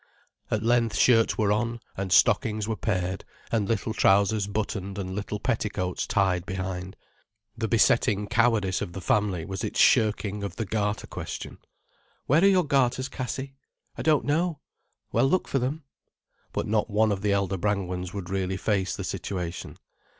At length shirts were on, and stockings were paired, and little trousers buttoned and little petticoats tied behind. The besetting cowardice of the family was its shirking of the garter question. "Where are your garters, Cassie?" "I don't know." "Well, look for them." But not one of the elder Brangwens would really face the situation.